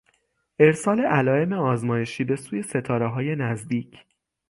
ارسال علایم آزمایشی به سوی ستارههای نزدیک